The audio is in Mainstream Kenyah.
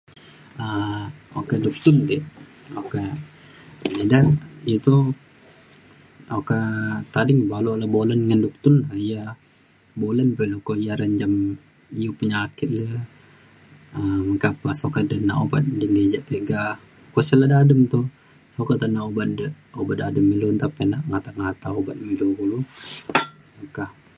um oka duktun de' oka eda u toh oka tading baluk le bolen ngan duktun ia bolen pe ilu ko ia re mencam u penyakit le. meka pe sokat nak obat de engke ja tega. uko le sik de dadem to. okat re nak obat dadem me ilu nta pe nak ngata ngata obat me ilu kulu meka.